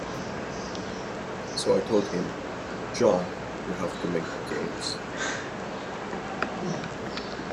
So I told him, 'John, you have to make the games.